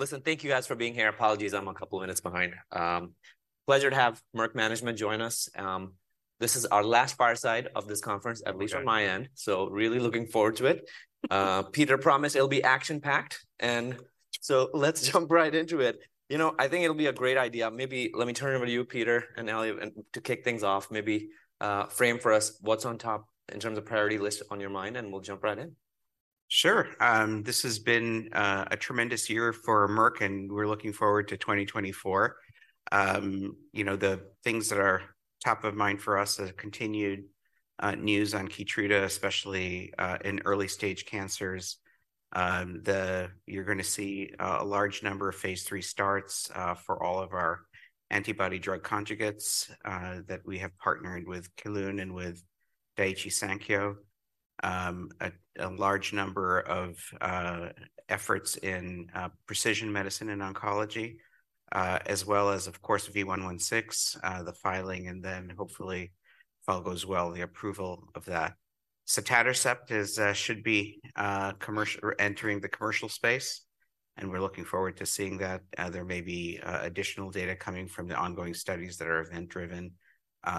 Listen, thank you guys for being here. Apologies, I'm a couple of minutes behind. Pleasure to have Merck Management join us. This is our last fireside of this conference, at least- Okay. From my end, so really looking forward to it. Peter promised it'll be action-packed, and so let's jump right into it. You know, I think it'll be a great idea. Maybe let me turn it over to you, Peter and Eliav, and to kick things off, maybe frame for us what's on top in terms of priority list on your mind, and we'll jump right in. Sure. This has been a tremendous year for Merck, and we're looking forward to 2024. You know, the things that are top of mind for us are the continued news on KEYTRUDA, especially in early-stage cancers. You're gonna see a large number of phase III starts for all of our antibody drug conjugates that we have partnered with Kelun and with Daiichi Sankyo. A large number of efforts in precision medicine and oncology, as well as, of course, V116, the filing, and then hopefully, if all goes well, the approval of that. Sotatercept should be commercial or entering the commercial space, and we're looking forward to seeing that. There may be additional data coming from the ongoing studies that are event-driven,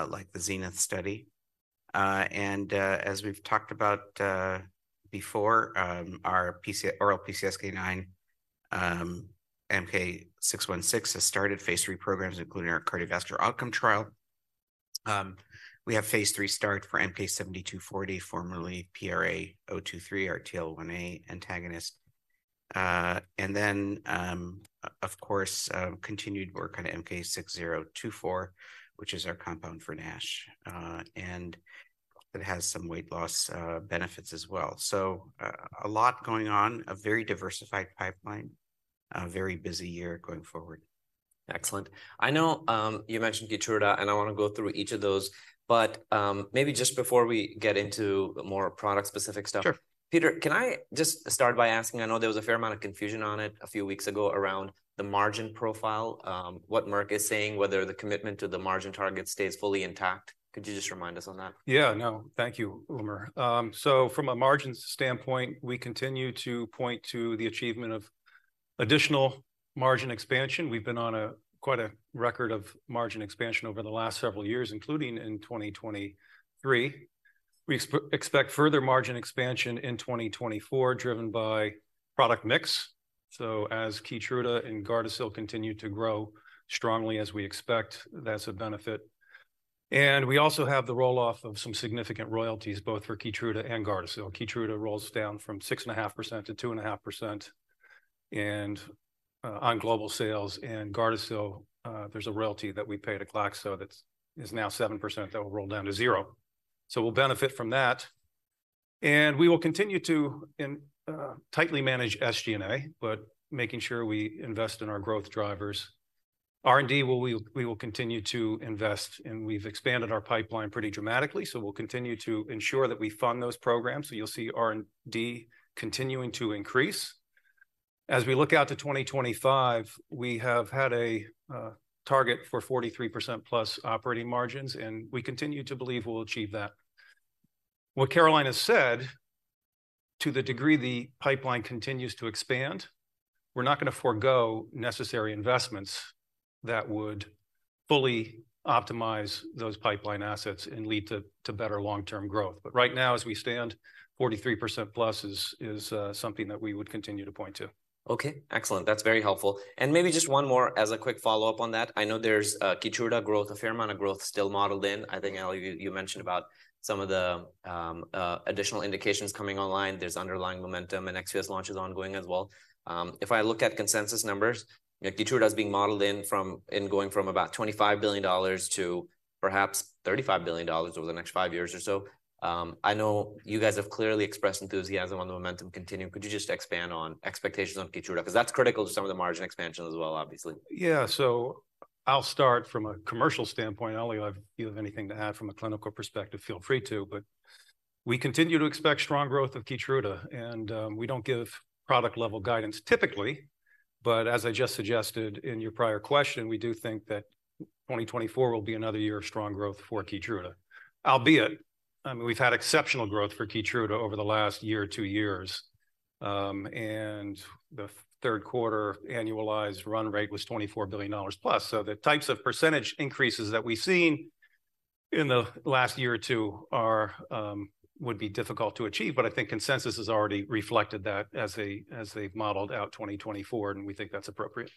like the ZENITH study. And, as we've talked about before, our oral PCSK9 MK-0616 has started Phase III programs, including our cardiovascular outcome trial. We have Phase III start for MK-7240, formerly PRA023, our TL1A antagonist. And then, of course, continued work on MK-6024, which is our compound for NASH, and it has some weight loss benefits as well. So, a lot going on, a very diversified pipeline, a very busy year going forward. Excellent. I know, you mentioned KEYTRUDA, and I want to go through each of those, but, maybe just before we get into the more product-specific stuff- Sure. Peter, can I just start by asking, I know there was a fair amount of confusion on it a few weeks ago around the margin profile, what Merck is saying, whether the commitment to the margin target stays fully intact? Could you just remind us on that? Yeah, no, thank you, Umar. So from a margin standpoint, we continue to point to the achievement of additional margin expansion. We've been on a, quite a record of margin expansion over the last several years, including in 2023. We expect further margin expansion in 2024, driven by product mix, so as KEYTRUDA and GARDASIL continue to grow strongly as we expect, that's a benefit. And we also have the roll-off of some significant royalties, both for KEYTRUDA and GARDASIL. KEYTRUDA rolls down from 6.5% to 2.5%, and on global sales, and GARDASIL, there's a royalty that we pay to Glaxo that's now 7%, that will roll down to zero. So we'll benefit from that, and we will continue to tightly manage SG&A, but making sure we invest in our growth drivers. R&D, well, we will continue to invest, and we've expanded our pipeline pretty dramatically, so we'll continue to ensure that we fund those programs, so you'll see R&D continuing to increase. As we look out to 2025, we have had a target for 43%+ operating margins, and we continue to believe we'll achieve that. What Caroline has said, to the degree the pipeline continues to expand, we're not gonna forgo necessary investments that would fully optimize those pipeline assets and lead to better long-term growth. But right now, as we stand, 43%+ is something that we would continue to point to. Okay, excellent. That's very helpful. And maybe just one more as a quick follow-up on that. I know there's Keytruda growth, a fair amount of growth still modeled in. I think, Ali, you mentioned about some of the additional indications coming online. There's underlying momentum, and ex-US launch is ongoing as well. If I look at consensus numbers, you know, Keytruda is being modeled in from in going from about $25 billion to perhaps $35 billion over the next five years or so. I know you guys have clearly expressed enthusiasm on the momentum continuing. Could you just expand on expectations on Keytruda? Because that's critical to some of the margin expansion as well, obviously. Yeah. So I'll start from a commercial standpoint. Ali, if you have anything to add from a clinical perspective, feel free to, but we continue to expect strong growth of KEYTRUDA, and we don't give product-level guidance typically, but as I just suggested in your prior question, we do think that 2024 will be another year of strong growth for KEYTRUDA. Albeit, I mean, we've had exceptional growth for KEYTRUDA over the last year or two years, and the third quarter annualized run rate was $24 billion plus. So the types of percentage increases that we've seen in the last year or two are would be difficult to achieve, but I think consensus has already reflected that as they, as they've modeled out 2024, and we think that's appropriate.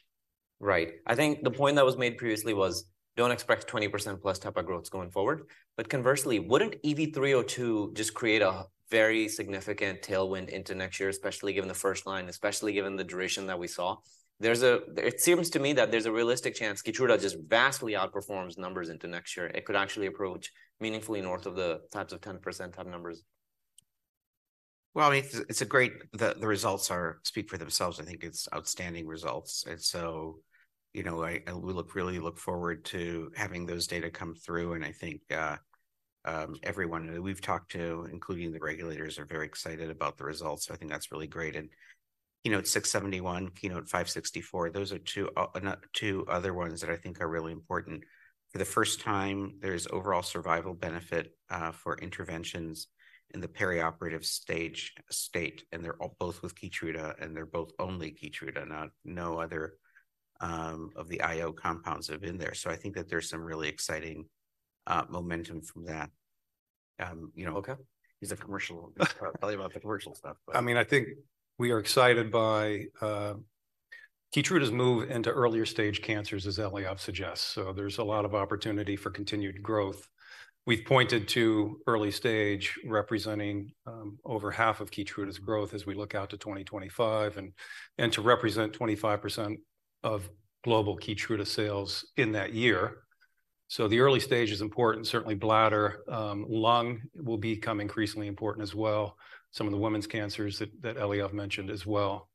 Right. I think the point that was made previously was: Don't expect 20% plus type of growth going forward. But conversely, wouldn't EV-302 just create a very significant tailwind into next year, especially given the first line, especially given the duration that we saw? There's a, it seems to me that there's a realistic chance Keytruda just vastly outperforms numbers into next year. It could actually approach meaningfully north of the types of 10% type numbers. Well, I mean, it's a great. The results speak for themselves. I think it's outstanding results, and so, you know, we really look forward to having those data come through, and I think, everyone that we've talked to, including the regulators, are very excited about the results, so I think that's really great. And KEYNOTE-671, KEYNOTE-564, those are two other ones that I think are really important. For the first time, there's overall survival benefit for interventions in the perioperative state, and they're all both with KEYTRUDA, and they're both only KEYTRUDA, not no other. of the IO compounds that have been there. So I think that there's some really exciting momentum from that. You know- Okay. Tell you about the commercial stuff, but- I mean, I think we are excited by KEYTRUDA's move into earlier stage cancers, as Eliav suggests. So there's a lot of opportunity for continued growth. We've pointed to early stage representing over half of KEYTRUDA's growth as we look out to 2025, and to represent 25% of global KEYTRUDA sales in that year. So the early stage is important. Certainly, bladder, lung will become increasingly important as well, some of the women's cancers that Eliav mentioned as well.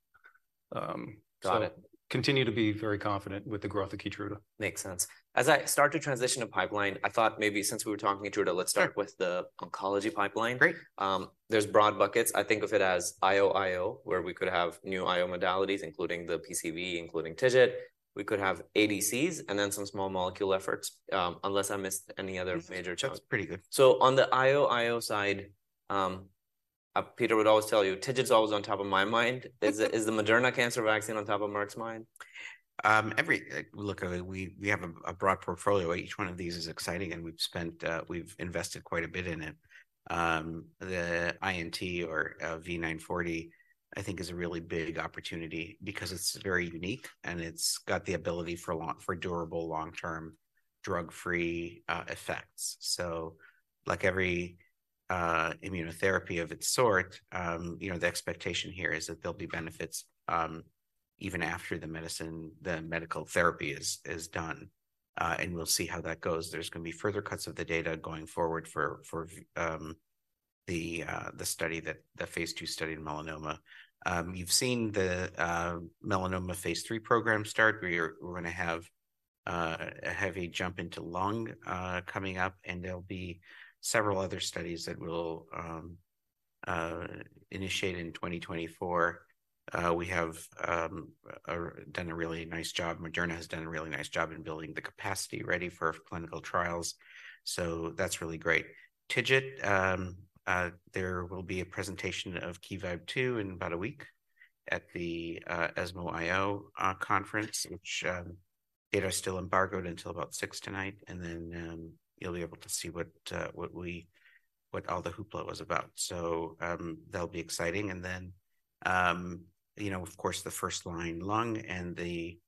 Got it continue to be very confident with the growth of KEYTRUDA. Makes sense. As I start to transition to pipeline, I thought maybe since we were talking KEYTRUDA, let's start- Sure .with the oncology pipeline. Great. There's broad buckets. I think of it as IO, IO, where we could have new IO modalities, including the PCV, including TIGIT. We could have ADCs, and then some small molecule efforts, unless I missed any other major chunks. That's pretty good. So on the IO, IO side, Peter would always tell you, TIGIT's always on top of my mind. Is the, is the Moderna cancer vaccine on top of Merck's mind? Look, we have a broad portfolio. Each one of these is exciting, and we've invested quite a bit in it. The INT or V940, I think is a really big opportunity because it's very unique, and it's got the ability for durable, long-term, drug-free effects. So like every immunotherapy of its sort, you know, the expectation here is that there'll be benefits even after the medicine, the medical therapy is done. And we'll see how that goes. There's gonna be further cuts of the data going forward for the phase 2 study in melanoma. You've seen the melanoma phase 3 program start. We're gonna have a heavy jump into lung coming up, and there'll be several other studies that we'll initiate in 2024. We have done a really nice job. Moderna has done a really nice job in building the capacity ready for clinical trials, so that's really great. TIGIT, there will be a presentation of KeyVibe-002 in about a week at the ESMO IO conference, which data are still embargoed until about six tonight, and then you'll be able to see what all the hoopla was about. So, that'll be exciting. And then, you know, of course, the first-line lung and the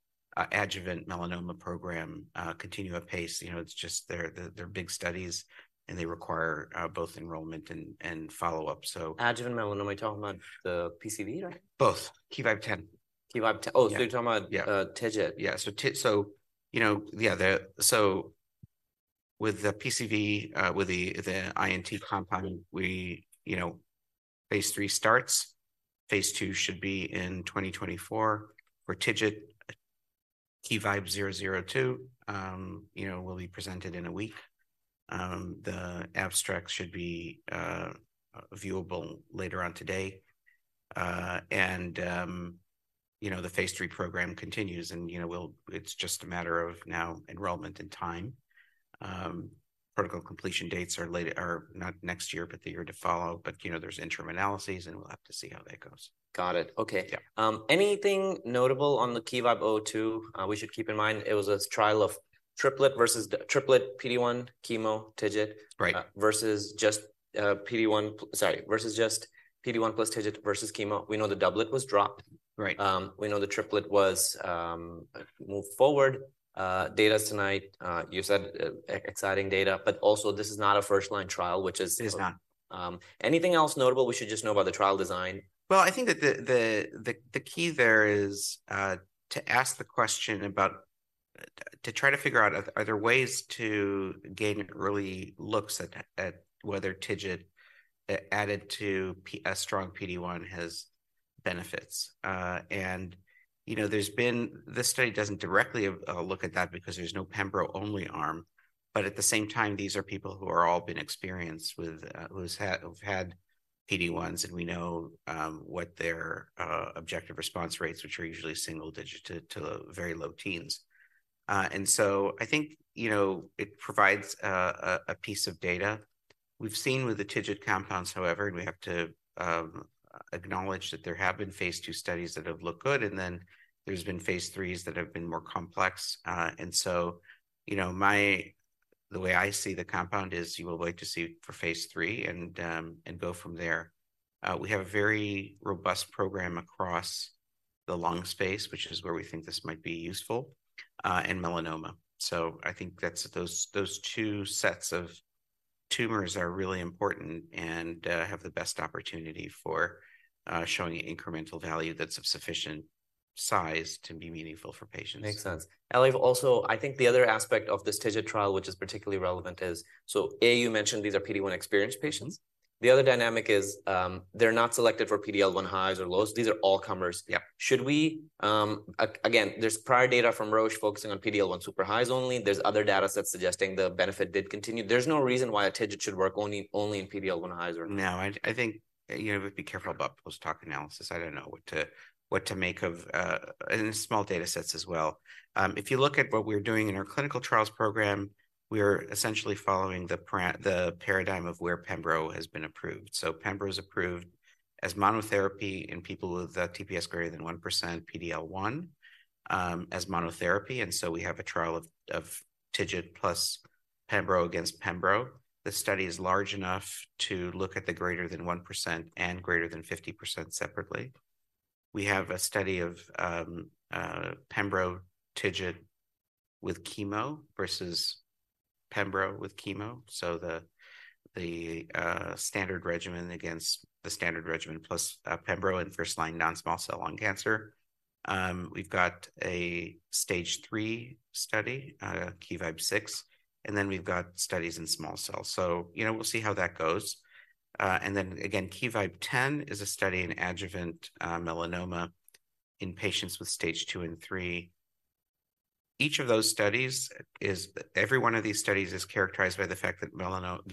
adjuvant melanoma program continue at pace. You know, it's just they're big studies, and they require both enrollment and follow-up, so- Adjuvant melanoma, we're talking about the PCV, right? Both. KeyVibe-010. KeyVibe-010. Yeah. Oh, so you're talking about- Yeah TIGIT? Yeah. So you know, yeah, the. So with the PCV, with the INT compound, we, you know, phase 3 starts. Phase 2 should be in 2024, for TIGIT. KeyVibe-002, you know, will be presented in a week. The abstract should be viewable later on today. And, you know, the phase 3 program continues, and, you know, we'll, it's just a matter of now enrollment and time. Protocol completion dates are later, are not next year, but the year to follow. But, you know, there's interim analyses, and we'll have to see how that goes. Got it. Okay. Yeah. Anything notable on the KeyVibe-002? We should keep in mind it was a trial of triplet versus triplet PD-1 chemo TIGIT- Right versus just, PD-1, sorry, versus just PD-1 plus TIGIT versus chemo. We know the doublet was dropped. Right. We know the triplet was moved forward. Data tonight, you said, exciting data, but also this is not a first-line trial, which is- It is not. Anything else notable we should just know about the trial design? Well, I think that the key there is to ask the question about to try to figure out, are there ways to gain early looks at whether TIGIT added to a strong PD-1 has benefits? And, you know, there's been. This study doesn't directly look at that because there's no pembro-only arm, but at the same time, these are people who are all been experienced with who've had PD-1s, and we know what their objective response rates, which are usually single digit to the very low teens. And so I think, you know, it provides a piece of data. We've seen with the TIGIT compounds, however, and we have to acknowledge that there have been phase 2 studies that have looked good, and then there's been phase 3s that have been more complex. And so, you know, my, the way I see the compound is you will wait to see for phase 3 and, and go from there. We have a very robust program across the lung space, which is where we think this might be useful in melanoma. So I think that's, those, those two sets of tumors are really important and have the best opportunity for showing incremental value that's of sufficient size to be meaningful for patients. Makes sense. Eliav, also, I think the other aspect of this TIGIT trial, which is particularly relevant, is, so, A, you mentioned these are PD-1-experienced patients. The other dynamic is, they're not selected for PD-L1 highs or lows. These are all comers. Yeah. Again, there's prior data from Roche focusing on PD-L1 super highs only. There's other datasets suggesting the benefit did continue. There's no reason why a TIGIT should work only, only in PD-L1 highs or- No, I think, you know, we'd be careful about post-hoc analysis. I don't know what to make of and small datasets as well. If you look at what we're doing in our clinical trials program, we are essentially following the paradigm of where pembro has been approved. So pembro is approved as monotherapy in people with a TPS greater than 1% PD-L1, as monotherapy, and so we have a trial of tigit plus pembro against pembro. The study is large enough to look at the greater than 1% and greater than 50% separately. We have a study of pembro tigit with chemo versus pembro with chemo. So the standard regimen against the standard regimen, plus pembro in first-line non-small cell lung cancer. We've got a Stage 3 study, KeyVibe-006, and then we've got studies in small cell. So, you know, we'll see how that goes. And then again, KeyVibe-010 is a study in adjuvant melanoma in patients with Stage 2 and 3. Each of those studies is every one of these studies is characterized by the fact that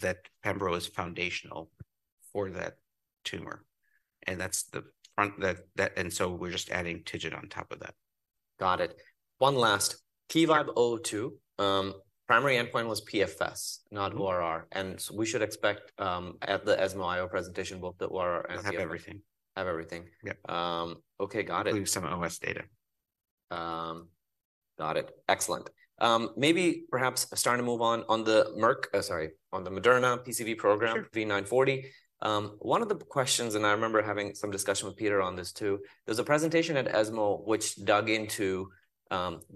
that pembro is foundational for that tumor, and that's the front. That, that, and so we're just adding TIGIT on top of that. Got it. One last. Yeah. KeyVibe-002, primary endpoint was PFS, not ORR. Mm-hmm. We should expect, at the ESMO IO presentation, both the ORR and PFS. We have everything. Have everything. Yeah. Okay, got it. Including some OS data. Got it. Excellent. Maybe perhaps starting to move on, on the Merck... Sorry, on the Moderna PCV program- Sure... V940. One of the questions, and I remember having some discussion with Peter on this, too, there was a presentation at ESMO, which dug into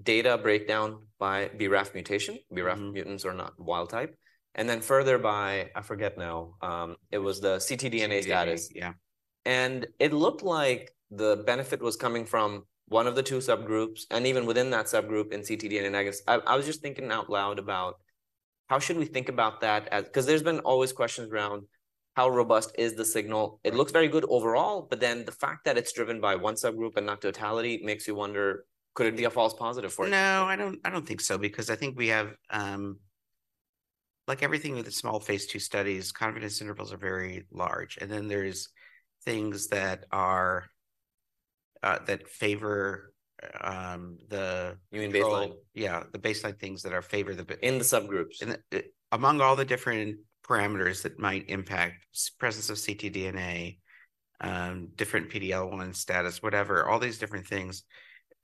data breakdown by BRAF mutation. Mm-hmm... BRAF mutants or not wild type, and then further by, I forget now, it was the ctDNA status. DNA, yeah. It looked like the benefit was coming from one of the two subgroups, and even within that subgroup, in ctDNA. I guess I, I was just thinking out loud about how should we think about that as— 'Cause there's been always questions around how robust is the signal? Right. It looks very good overall, but then the fact that it's driven by one subgroup and not totality makes you wonder, could it be a false positive for it? No, I don't, I don't think so, because I think we have like everything with the small Phase 2 studies, confidence intervals are very large. And then there's things that are that favor the- You mean baseline? Yeah, the baseline things that are favor the- In the subgroups. Among all the different parameters that might impact presence of ctDNA, different PD-L1 status, whatever, all these different things,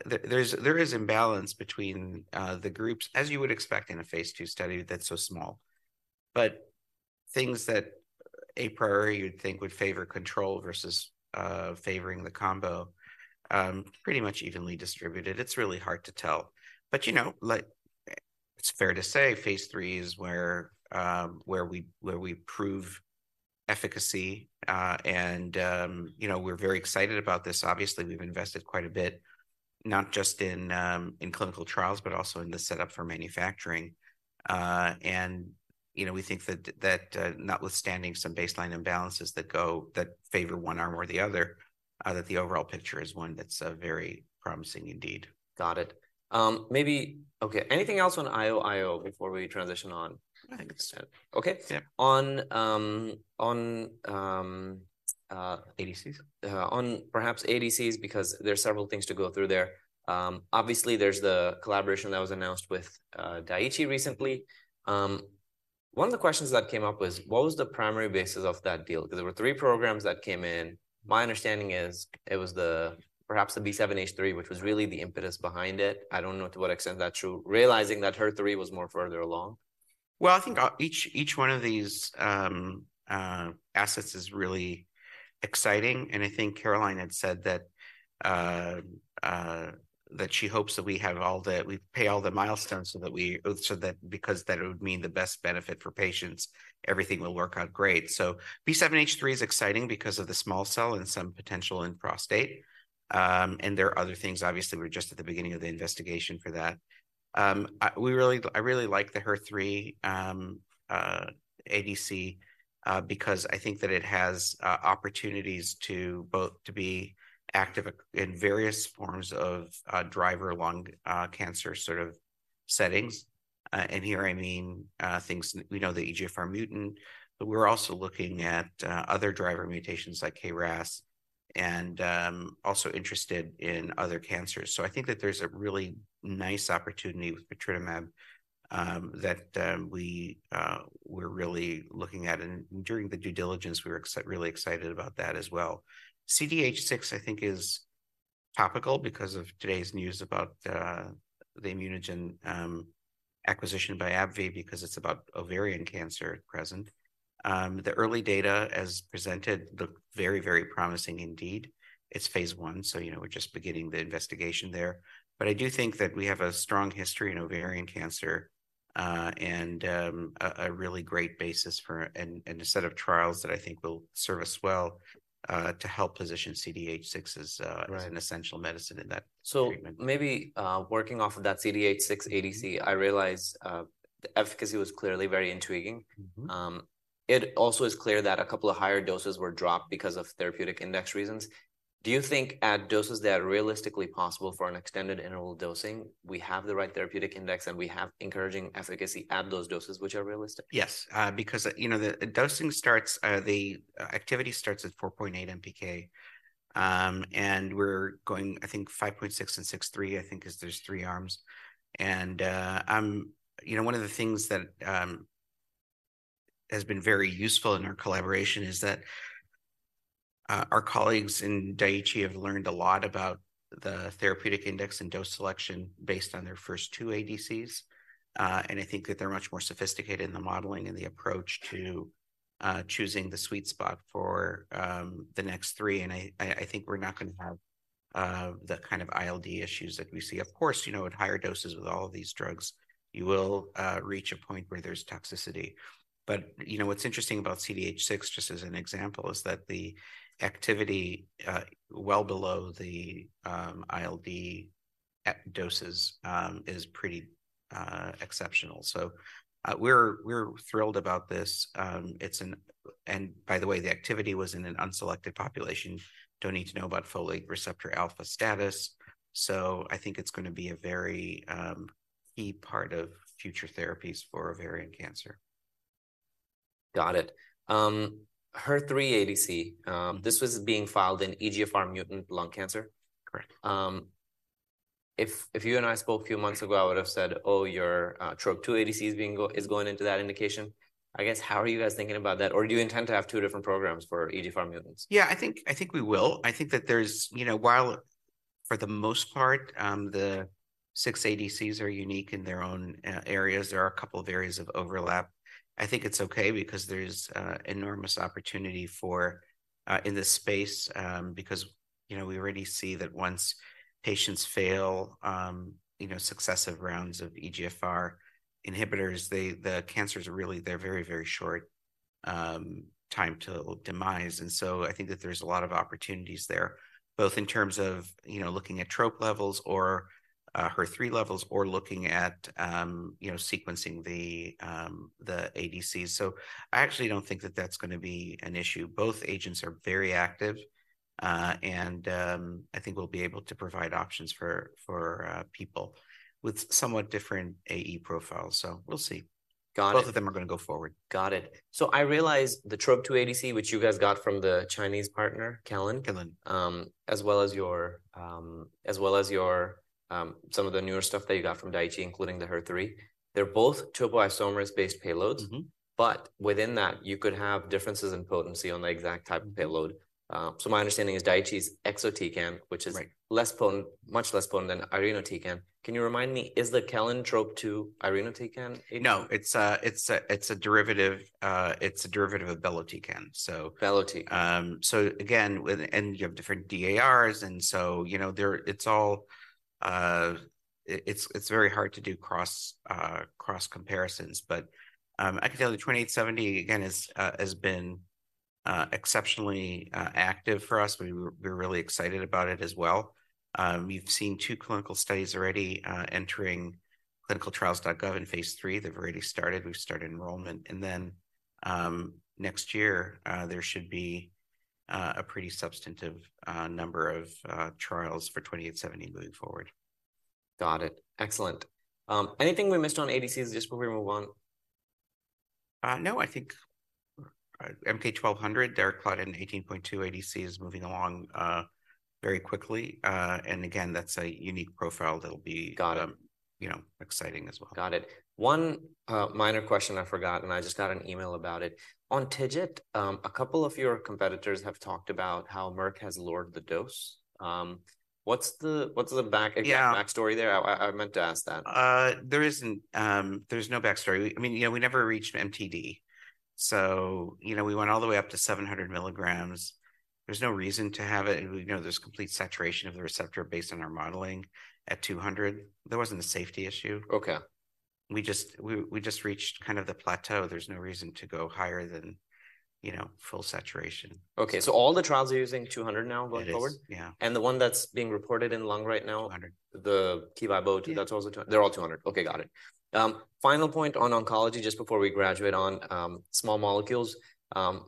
there is imbalance between the groups, as you would expect in a phase 2 study that's so small. But things that a priori you'd think would favor control versus favoring the combo, pretty much evenly distributed. It's really hard to tell. But, you know, like, it's fair to say phase 3 is where we prove efficacy. You know, we're very excited about this. Obviously, we've invested quite a bit, not just in clinical trials, but also in the setup for manufacturing. And, you know, we think that notwithstanding some baseline imbalances that favor one arm or the other, the overall picture is one that's very promising indeed. Got it. Maybe... Okay, anything else on IOIO before we transition on? I think that's it. Okay. Yeah. On ADCs? On perhaps ADCs, because there are several things to go through there. Obviously, there's the collaboration that was announced with Daiichi recently. One of the questions that came up was: What was the primary basis of that deal? There were three programs that came in. My understanding is, it was the, perhaps the B7-H3, which was really the impetus behind it. I don't know to what extent that's true, realizing that HER3 was more further along. Well, I think each one of these assets is really exciting. And I think Caroline had said that she hopes that we have all the—we pay all the milestones, so that we—so that, because that would mean the best benefit for patients, everything will work out great. So B7-H3 is exciting because of the small cell and some potential in prostate. And there are other things. Obviously, we're just at the beginning of the investigation for that. I really like the HER3 ADC, because I think that it has opportunities to both to be active in various forms of driver lung cancer sort of settings. And here, I mean, things, we know the EGFR mutant, but we're also looking at other driver mutations like KRAS, and also interested in other cancers. So I think that there's a really nice opportunity with post-rituximab that we're really looking at. And during the due diligence, we were really excited about that as well. CDH6, I think, is topical because of today's news about the Immunogen acquisition by AbbVie, because it's about ovarian cancer at present. The early data as presented look very, very promising indeed. It's phase 1, so, you know, we're just beginning the investigation there. But I do think that we have a strong history in ovarian cancer, and a really great basis for, and a set of trials that I think will serve us well, to help position CDH6 as- Right... as an essential medicine in that treatment. So maybe, working off of that CDH6 ADC, I realize, the efficacy was clearly very intriguing. Mm-hmm. It also is clear that a couple of higher doses were dropped because of therapeutic index reasons. Do you think at doses that are realistically possible for an extended interval dosing, we have the right therapeutic index, and we have encouraging efficacy at those doses, which are realistic? Yes, because, you know, the dosing starts, the activity starts at 4.8 MPK. And we're going, I think, 5.6 and 6.3, I think, 'cause there's three arms. And, you know, one of the things that has been very useful in our collaboration is that, our colleagues in Daiichi have learned a lot about the therapeutic index and dose selection based on their first two ADCs. And I think that they're much more sophisticated in the modeling and the approach to, choosing the sweet spot for, the next three. And I think we're not gonna have the kind of ILD issues that we see. Of course, you know, at higher doses with all of these drugs, you will reach a point where there's toxicity. But, you know, what's interesting about CDH6, just as an example, is that the activity well below the ILD at doses is pretty exceptional. So, we're thrilled about this. And by the way, the activity was in an unselected population. Don't need to know about folate receptor alpha status, so I think it's gonna be a very key part of future therapies for ovarian cancer. Got it. HER3-ADC, this was being filed in EGFR mutant lung cancer? Correct. If you and I spoke a few months ago, I would have said, "Oh, your TROP2 ADC is going into that indication." I guess, how are you guys thinking about that? Or do you intend to have two different programs for EGFR mutants? Yeah, I think, I think we will. I think that there's... You know, while for the most part, the six ADCs are unique in their own areas, there are a couple of areas of overlap. I think it's okay because there's enormous opportunity for in this space. Because, you know, we already see that once patients fail, you know, successive rounds of EGFR inhibitors, they- the cancers are really they're very, very short time to demise. And so I think that there's a lot of opportunities there, both in terms of, you know, looking at TROP2 levels or HER3 levels, or looking at, you know, sequencing the the ADCs. So I actually don't think that that's gonna be an issue. Both agents are very active, and I think we'll be able to provide options for people with somewhat different AE profiles. So we'll see. Got it. Both of them are gonna go forward. Got it. So I realize the TROP2 ADC, which you guys got from the Chinese partner, Kelun- Kelun as well as your some of the newer stuff that you got from Daiichi, including the HER3. They're both topoisomerase-based payloads. Mm-hmm. But within that, you could have differences in potency on the exact type of payload. So my understanding is Daiichi's exatecan, which is- Right... less potent, much less potent than irinotecan. Can you remind me, is the Kelun TROP2 irinotecan? No, it's a derivative of belotecan, so- Belotecan. So again, with and you have different DARs, and so, you know, there, it's all... it's very hard to do cross comparisons. But, I can tell you 2870, again, is has been exceptionally active for us, we're really excited about it as well. We've seen two clinical studies already entering clinicaltrials.gov in Phase III. They've already started, we've started enrollment. And then, next year, there should be a pretty substantive number of trials for 2870 moving forward. Got it. Excellent. Anything we missed on ADCs just before we move on? No, I think, MK-1200, darolutamide in 18.2 ADC is moving along, very quickly. And again, that's a unique profile that'll be- Got it you know, exciting as well. Got it. One minor question I forgot, and I just got an email about it. On TIGIT, a couple of your competitors have talked about how Merck has lowered the dose. What's the, what's the back- Yeah... backstory there? I, I meant to ask that. There isn't, there's no backstory. I mean, you know, we never reached MTD. So, you know, we went all the way up to 700 milligrams. There's no reason to have it... You know, there's complete saturation of the receptor based on our modeling at 200. There wasn't a safety issue. Okay. We just reached kind of the plateau. There's no reason to go higher than, you know, full saturation. Okay, so all the trials are using 200 now going forward? It is, yeah. And the one that's being reported in lung right now- Hundred. the KEYTRUDA, that's also 2- they're all 200. Okay, got it. Final point on oncology, just before we graduate on small molecules, a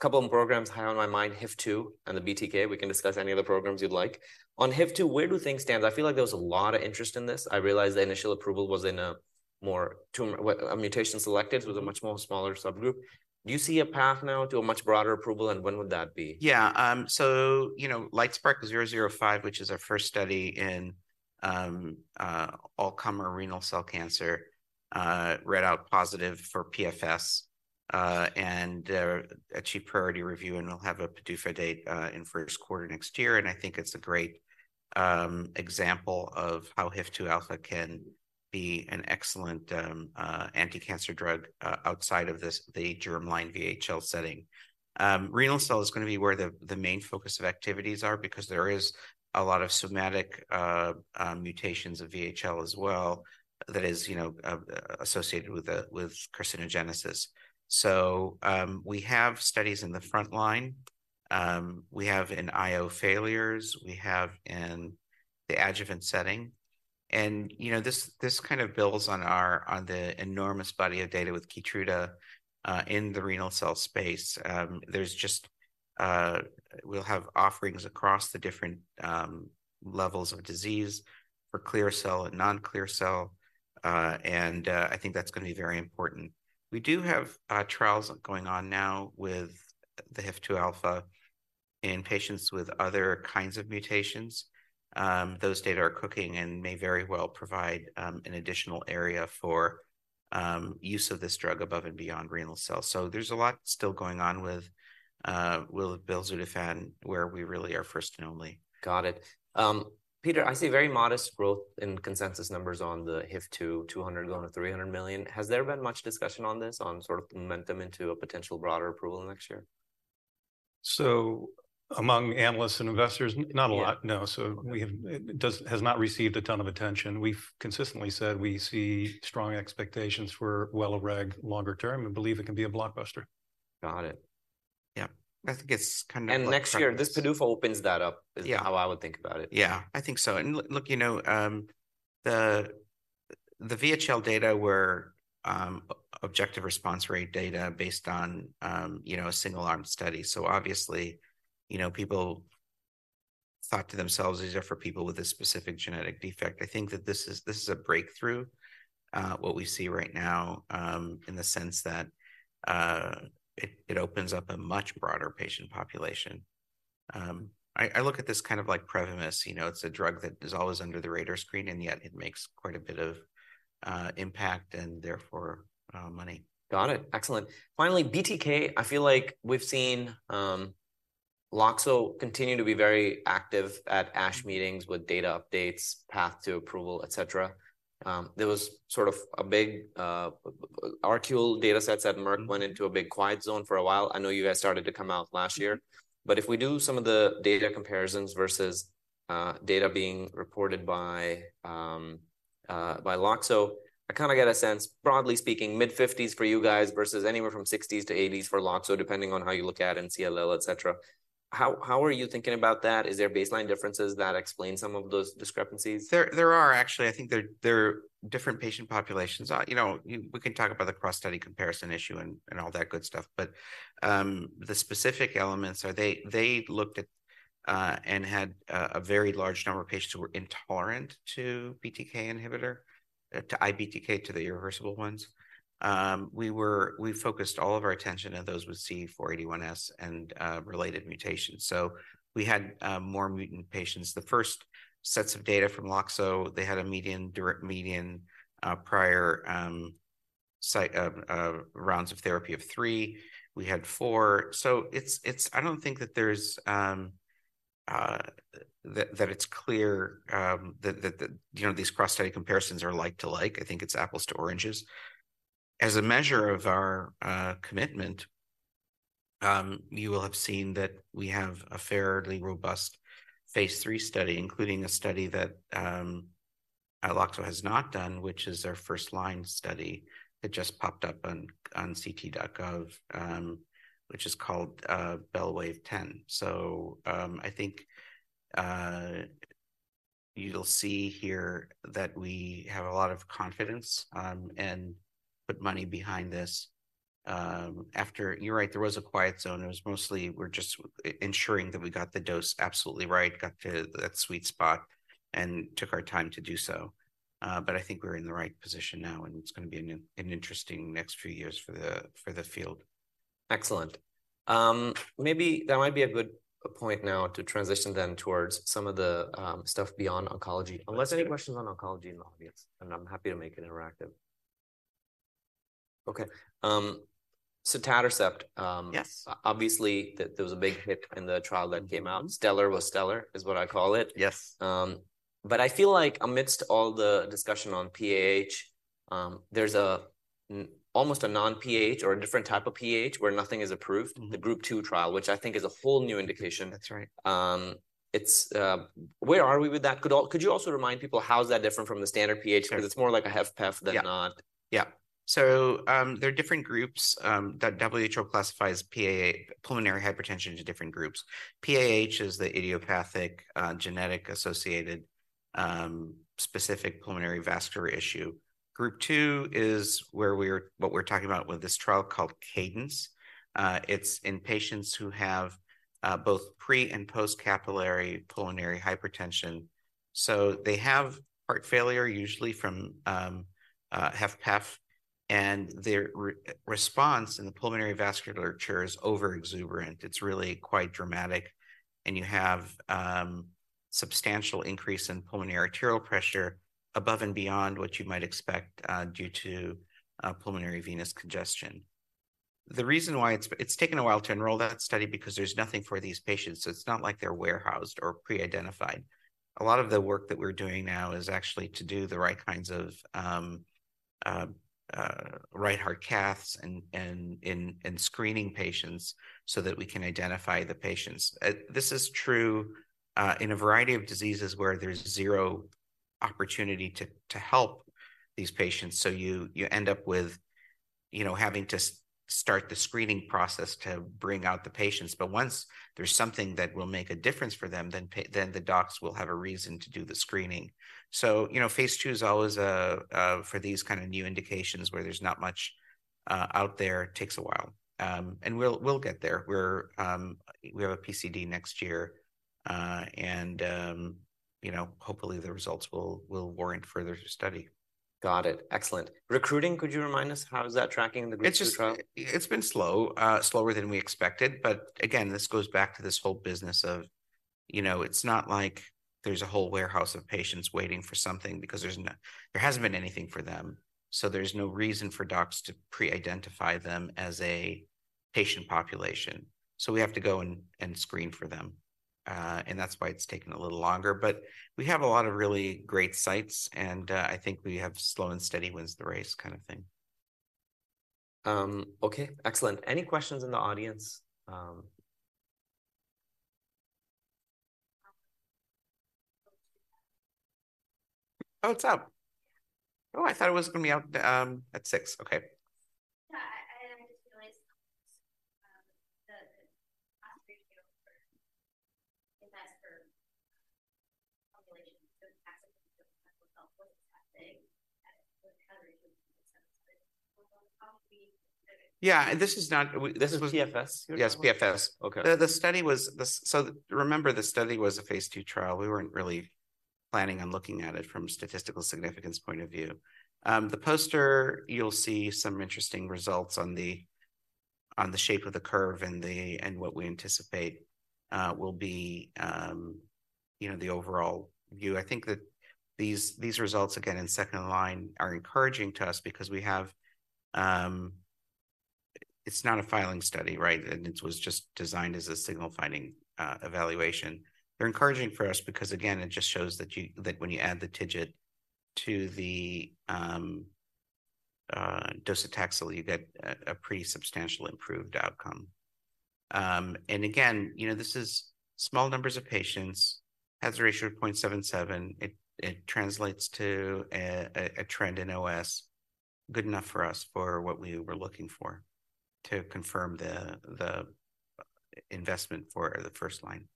couple of programs high on my mind, HIF-2 and the BTK. We can discuss any of the programs you'd like. On HIF-2, where do things stand? I feel like there was a lot of interest in this. I realize the initial approval was in a more, 2, what, a mutation selected, was a much more smaller subgroup. Do you see a path now to a much broader approval, and when would that be? Yeah, so you know, LITESPARK-005, which is our first study in all-comer renal cell cancer, read out positive for PFS. And achieved priority review, and we'll have a PDUFA date in first quarter next year. And I think it's a great example of how HIF-2 alpha can be an excellent anticancer drug outside of the germline VHL setting. Renal cell is gonna be where the main focus of activities are, because there is a lot of somatic mutations of VHL as well, that is, you know, associated with carcinogenesis. So, we have studies in the front line, we have in IO failures, we have in the adjuvant setting. You know, this kind of builds on the enormous body of data with KEYTRUDA in the renal cell space. There's just, we'll have offerings across the different levels of disease for clear cell and non-clear cell, and I think that's gonna be very important. We do have trials going on now with the HIF-2α in patients with other kinds of mutations. Those data are cooking and may very well provide an additional area for use of this drug above and beyond renal cell. So there's a lot still going on with belzutifan, where we really are first and only. Got it. Peter, I see very modest growth in consensus numbers on the HIF-2, $200 million-$300 million. Has there been much discussion on this, on sort of the momentum into a potential broader approval next year? Among analysts and investors, not a lot- Yeah. No. So we have- Okay. It has not received a ton of attention. We've consistently said we see strong expectations for WELIREG longer term, and believe it can be a blockbuster. Got it. Yeah, I think it's kind of- Next year, this PDUFA opens that up- Yeah... is how I would think about it. Yeah, I think so. And look, you know, the VHL data were objective response rate data based on, you know, a single arm study. So obviously, you know, people thought to themselves, these are for people with a specific genetic defect. I think that this is, this is a breakthrough, what we see right now, in the sense that, it opens up a much broader patient population. I look at this kind of like Prevnar, you know, it's a drug that is always under the radar screen, and yet it makes quite a bit of impact, and therefore, money. Got it. Excellent. Finally, BTK. I feel like we've seen LOXO continue to be very active at ASH meetings with data updates, path to approval, et cetera. There was sort of a big readout data sets that Merck went into a big quiet zone for a while. I know you guys started to come out last year. But if we do some of the data comparisons versus data being reported by LOXO, I kind of get a sense, broadly speaking, mid-50s for you guys, versus anywhere from 60s-80s for LOXO, depending on how you look at in CLL, et cetera. How are you thinking about that? Is there baseline differences that explain some of those discrepancies? There are actually. I think there are different patient populations. You know, we can talk about the cross study comparison issue and all that good stuff, but the specific elements are they looked at and had a very large number of patients who were intolerant to BTK inhibitor to BTK to the irreversible ones. We focused all of our attention on those with C481S and related mutations. So we had more mutant patients. The first sets of data from LOXO, they had a median prior lines of therapy of 3. We had 4. So it's, it's-- I don't think that there's that you know, these cross study comparisons are like to like, I think it's apples to oranges. As a measure of our commitment, you will have seen that we have a fairly robust Phase III study, including a study that LOXO has not done, which is their first line study that just popped up on ct.gov, which is called BELLWAVE-010. So, I think you'll see here that we have a lot of confidence, and put money behind this. After you're right, there was a quiet zone, it was mostly we're just ensuring that we got the dose absolutely right, got to that sweet spot, and took our time to do so. But I think we're in the right position now, and it's gonna be an interesting next few years for the field. Excellent. Maybe that might be a good point now to transition then towards some of the stuff beyond oncology. Mm-hmm. Unless there any questions on oncology in the audience, and I'm happy to make it interactive. Okay, sotatercept, Yes. Obviously, there was a big hit in the trial that came out. Mm-hmm. Stellar was stellar, is what I call it. Yes. But I feel like amidst all the discussion on PAH, there's almost a non-PAH or a different type of PAH, where nothing is approved. Mm-hmm. The Group Two trial, which I think is a full new indication. That's right. Where are we with that? Could you also remind people how is that different from the standard PAH? Sure. Because it's more like a HFpEF than not. Yeah, yeah. So, there are different groups that WHO classifies PAH pulmonary hypertension into different groups. PAH is the idiopathic, genetic associated, specific pulmonary vascular issue. Group Two is what we're talking about with this trial called Cadence. It's in patients who have both pre and post-capillary pulmonary hypertension. So they have heart failure, usually from HFpEF, and their response in the pulmonary vasculature is overexuberant. It's really quite dramatic, and you have substantial increase in pulmonary arterial pressure above and beyond what you might expect due to pulmonary venous congestion. The reason why it's taken a while to enroll that study, because there's nothing for these patients, so it's not like they're warehoused or pre-identified. A lot of the work that we're doing now is actually to do the right kinds of right heart caths and screening patients so that we can identify the patients. This is true in a variety of diseases where there's zero opportunity to help these patients, so you end up with, you know, having to start the screening process to bring out the patients. But once there's something that will make a difference for them, then the docs will have a reason to do the screening. So, you know, Phase II is always a for these kind of new indications, where there's not much out there, takes a while. And we'll get there. We have a PCD next year. you know, hopefully the results will warrant further study. Got it. Excellent. Recruiting, could you remind us how is that tracking in the Group 2 trial? It's just, it's been slow, slower than we expected, but again, this goes back to this whole business of, you know, it's not like there's a whole warehouse of patients waiting for something because there's no, there hasn't been anything for them. So there's no reason for docs to pre-identify them as a patient population. So we have to go and screen for them, and that's why it's taking a little longer. But we have a lot of really great sites, and I think we have slow and steady wins the race kind of thing. Okay, excellent. Any questions in the audience? Oh, it's up. Oh, I thought it was going to be out at six. Okay. Yeah, I just realized the poster schedule for, if that's for population, so the actual results, what's that saying? The coverage makes sense, but what's on top of the- Yeah, this is not this was. PFS? Yes, PFS. Okay. So remember, the study was a Phase II trial. We weren't really planning on looking at it from a statistical significance point of view. The poster, you'll see some interesting results on the shape of the curve and what we anticipate will be, you know, the overall view. I think that these results, again, in second line, are encouraging to us because we have... It's not a filing study, right? And it was just designed as a signal finding evaluation. They're encouraging for us because, again, it just shows that when you add the TIGIT to the docetaxel, you get a pretty substantial improved outcome. And again, you know, this is small numbers of patients, hazard ratio of 0.77. It translates to a trend in OS, good enough for us for what we were looking for to confirm the investment for the first line.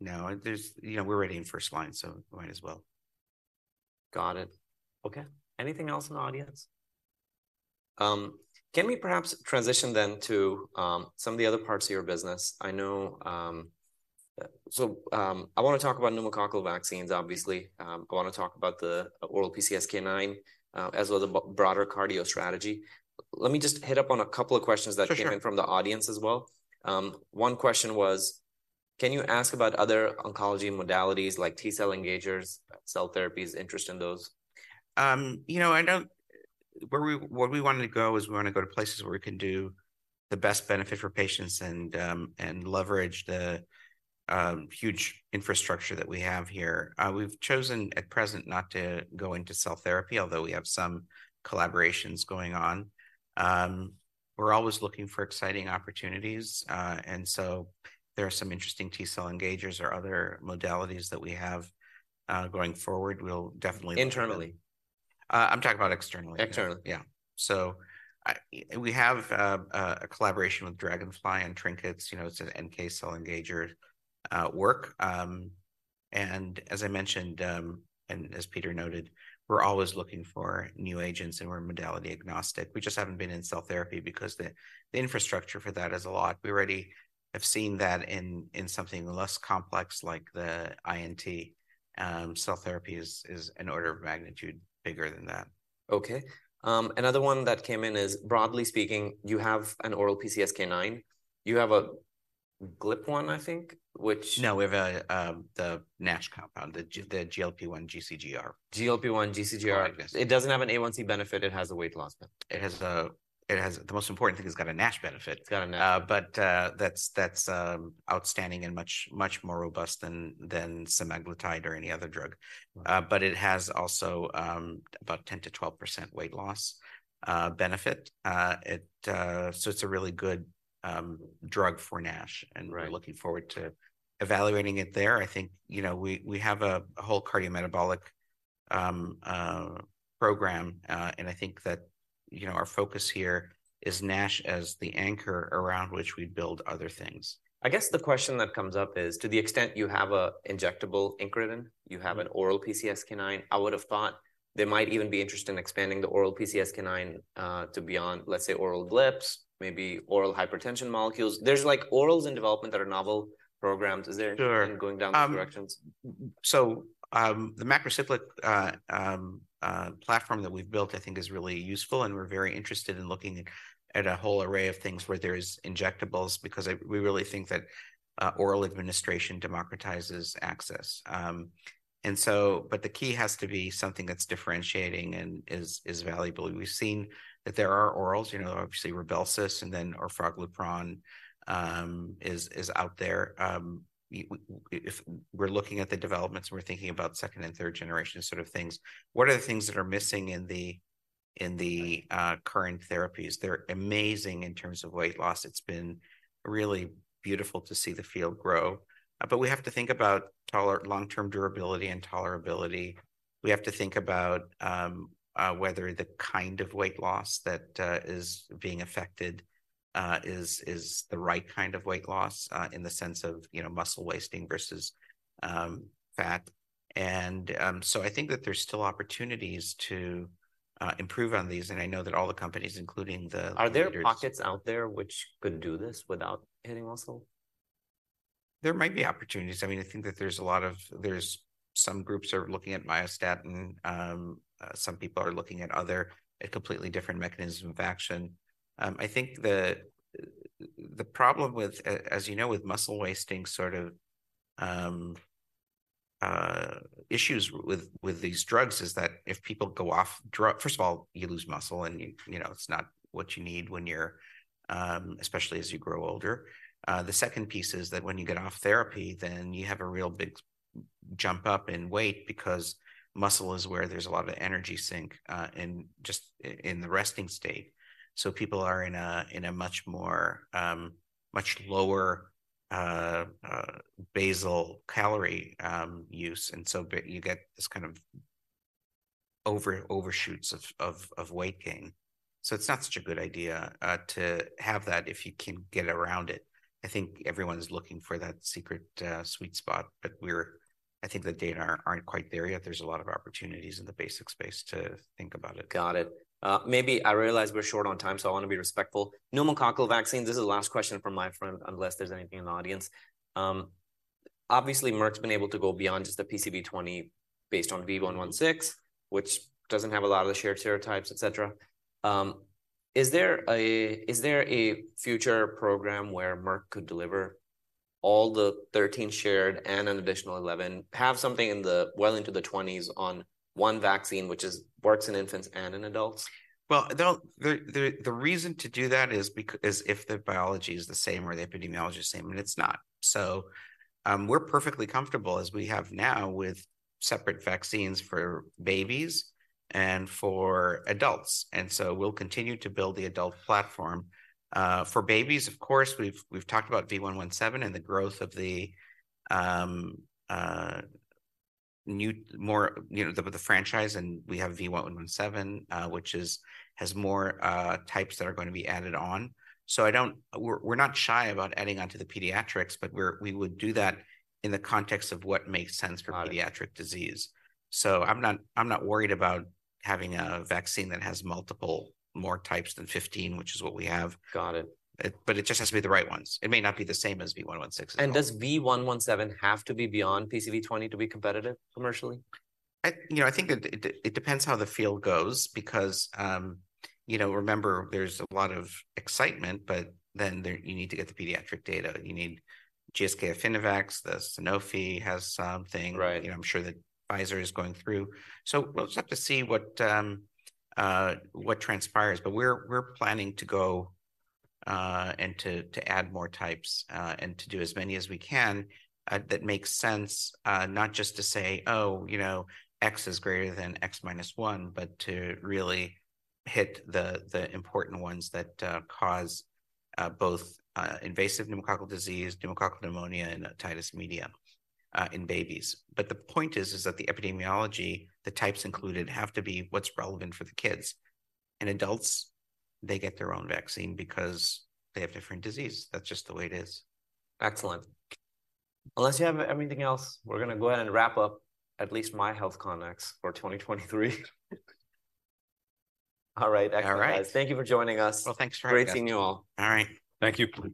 Yeah. Now, there's, you know, we're already in first line, so we might as well. Got it. Okay. Anything else in the audience? Can we perhaps transition then to some of the other parts of your business? I know, so, I want to talk about pneumococcal vaccines, obviously. I want to talk about the oral PCSK9, as well as a broader cardio strategy. Let me just hit up on a couple of questions that- For sure... came in from the audience as well. One question was: Can you ask about other oncology modalities like T-cell engagers, cell therapies, interest in those? You know, I know where we wanted to go is we want to go to places where we can do the best benefit for patients and and leverage the huge infrastructure that we have here. We've chosen at present not to go into cell therapy, although we have some collaborations going on. We're always looking for exciting opportunities, and so there are some interesting T-cell engagers or other modalities that we have going forward. We'll definitely- Internally? I'm talking about externally. Externally. Yeah. So we have a collaboration with Dragonfly and TriNKETs, you know, it's an NK cell engager work. And as I mentioned, and as Peter noted, we're always looking for new agents, and we're modality agnostic. We just haven't been in cell therapy because the infrastructure for that is a lot. We already have seen that in something less complex like the INT, cell therapy is an order of magnitude bigger than that. Okay. Another one that came in is, broadly speaking, you have an oral PCSK9. You have a GLP-1, I think, which- No, we have the NASH compound, the GLP-1 GCGR. GLP-1 GCGR. Yes. It doesn't have an A1c benefit. It has a weight loss benefit. It has the most important thing, it's got a NASH benefit. It's got a NASH. But that's outstanding and much, much more robust than semaglutide or any other drug. Mm. But it has also about 10%-12% weight loss benefit. So it's a really good drug for NASH- Right and we're looking forward to evaluating it there. I think, you know, we have a whole cardiometabolic program, and I think that, you know, our focus here is NASH as the anchor around which we build other things. I guess the question that comes up is, to the extent you have a injectable incretin- Mm you have an oral PCSK9, I would have thought they might even be interested in expanding the oral PCSK9 to beyond, let's say, oral GLPs, maybe oral hypertension molecules. There's, like, orals in development that are novel programs. Is there- Sure going down those directions? So, the macrocyclic platform that we've built, I think is really useful, and we're very interested in looking at a whole array of things where there's injectables, because we really think that oral administration democratizes access. And so, but the key has to be something that's differentiating and is valuable. We've seen that there are orals, you know, obviously RYBELSUS, and then orforglipron is out there. If we're looking at the developments, we're thinking about second and third generation sort of things. What are the things that are missing in the current therapies? They're amazing in terms of weight loss. It's been really beautiful to see the field grow, but we have to think about long-term durability and tolerability. We have to think about whether the kind of weight loss that is being affected is the right kind of weight loss in the sense of, you know, muscle wasting versus fat. I think that there's still opportunities to improve on these, and I know that all the companies, including the leaders- Are there pockets out there which could do this without hitting muscle? There might be opportunities. I mean, I think that there's a lot of—there are some groups looking at myostatin, some people are looking at other, a completely different mechanism of action. I think the problem with, as you know, with muscle wasting, sort of, issues with these drugs is that if people go off drug—First of all, you lose muscle, and you, you know, it's not what you need when you're, especially as you grow older. The second piece is that when you get off therapy, then you have a real big jump up in weight because muscle is where there's a lot of energy sink, in just in the resting state. So people are in a much lower basal calorie use, and so you get this kind of overshoots of weight gain. So it's not such a good idea to have that if you can get around it. I think everyone's looking for that secret sweet spot, but we're I think the data aren't quite there yet. There's a lot of opportunities in the basic space to think about it. Got it. Maybe I realize we're short on time, so I want to be respectful. Pneumococcal vaccines, this is the last question from my front, unless there's anything in the audience. Obviously, Merck's been able to go beyond just the PCV20, based on V116, which doesn't have a lot of the shared serotypes, et cetera. Is there a future program where Merck could deliver all the 13 shared and an additional 11, have something well into the twenties on one vaccine, which works in infants and in adults? Well, they'll the reason to do that is because if the biology is the same or the epidemiology is the same, and it's not. So, we're perfectly comfortable, as we have now, with separate vaccines for babies and for adults, and so we'll continue to build the adult platform. For babies, of course, we've talked about V117 and the growth of the new, more, you know, the franchise, and we have V117, which has more types that are going to be added on. So we're not shy about adding on to the pediatrics, but we would do that in the context of what makes sense- Got it for pediatric disease. So I'm not, I'm not worried about having a vaccine that has multiple, more types than 15, which is what we have. Got it. But it just has to be the right ones. It may not be the same as V116. Does V117 have to be beyond PCV20 to be competitive commercially? I, you know, I think it depends how the field goes because, you know, remember, there's a lot of excitement, but then there, you need to get the pediatric data. You need GSK Affinivax, the Sanofi has something. Right. You know, I'm sure that Pfizer is going through. So we'll just have to see what transpires. But we're planning to go and to add more types and to do as many as we can that makes sense, not just to say, "Oh, you know, X is greater than X minus one," but to really hit the important ones that cause both invasive pneumococcal disease, pneumococcal pneumonia, and otitis media in babies. But the point is that the epidemiology, the types included, have to be what's relevant for the kids. And adults, they get their own vaccine because they have different disease. That's just the way it is. Excellent. Unless you have anything else, we're gonna go ahead and wrap up at least my HealthCONx for 2023. All right, excellent. All right. Thank you for joining us. Well, thanks for having us. Great seeing you all. All right. Thank you.